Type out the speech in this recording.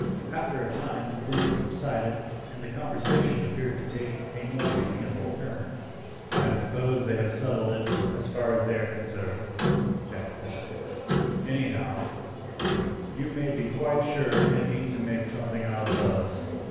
After a time the din subsided and the conversation appeared to take a more amiable turn. "I suppose they have settled it as far as they are concerned," Jack said; "anyhow, you may be quite sure they mean to make something out of us.